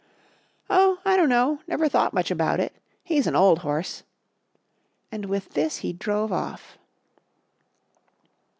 "Oh, I don't know; never thought much about it; he's an old horse," and with this he drove off.